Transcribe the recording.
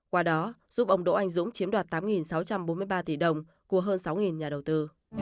qua đó giúp ông đỗ anh dũng chiếm đoạt tám sáu trăm bốn mươi ba tỷ đồng của hơn sáu nhà đầu tư